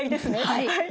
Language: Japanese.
はい。